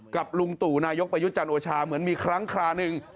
ลุงตู่นายกประยุทธ์จันทร์โอชาเหมือนมีครั้งคราหนึ่ง